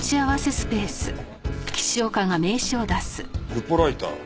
ルポライター。